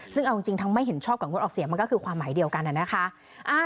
ซึ่งเอาจริงทั้งไม่เห็นชอบกับงดออกเสียงมันก็คือความหมายเดียวกันนะคะ